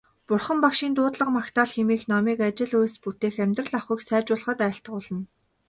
Бурхан Багшийн дуудлага магтаал хэмээх номыг ажил үйлс бүтээх, амьдрал ахуйг сайжруулахад айлтгуулна.